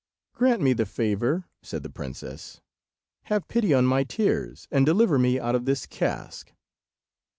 "Grant me the favour," said the princess; "have pity on my tears, and deliver me out of this cask."